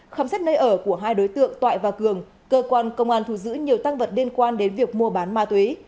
khám xét nơi ở của hai đối tượng toại và cường cơ quan công an thu giữ nhiều tăng vật liên quan đến việc mua bán ma túy